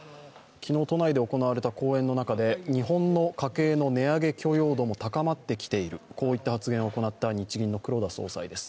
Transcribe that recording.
昨日、都内で行われた講演の中で日本の家計の値上げ許容度も高まってきている、こういった発言を行った日銀の黒田総裁です。